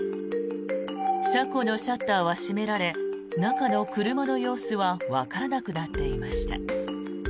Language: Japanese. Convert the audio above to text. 車庫のシャッターは閉められ中の車の様子はわからなくなっていました。